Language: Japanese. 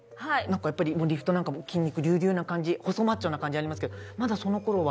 やっぱりリフトなんかも筋肉隆々な感じ細マッチョな感じありますけどまだその頃は。